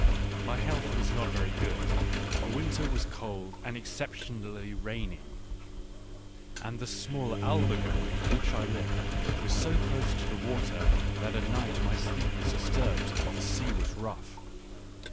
My health was not very good ; the winter was cold and exceptionally rainy ; and the small albergo in which I lived was so close to the water that at night my sleep was disturbed if the sea was rough.